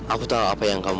aku tahu apa yang kamu